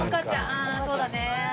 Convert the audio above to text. あそうだね。